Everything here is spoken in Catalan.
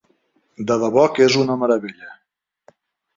De debò que és una meravella.